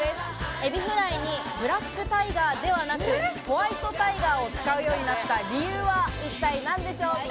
エビフライにブラックタイガーではなくホワイトタイガーを使うようになった理由は一体何でしょうか？